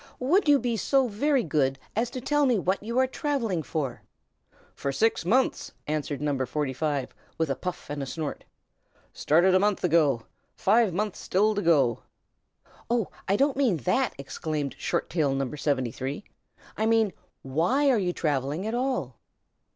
"Would you be so very good as to tell me what you are travelling for?" "For six months," answered No. 45 with a puff and a snort. "Started a month ago; five months still to go." "Oh, I don't mean that!" exclaimed Short Tail No. 73. "I mean why are you travelling at all?"